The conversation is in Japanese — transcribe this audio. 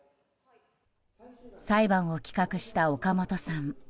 裁判を企画した岡本さん。